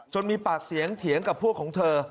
มีปากเสียงเถียงกับพวกของเธอ